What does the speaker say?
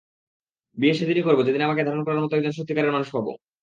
বিয়ে সেদিনই করব যেদিন আমাকে ধারণ করার মতো একজন সত্যিকারের মানুষ পাব।